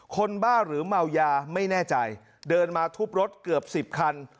บ้าหรือเมายาไม่แน่ใจเดินมาทุบรถเกือบ๑๐คัน